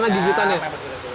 dalam seluruh pengalaman ini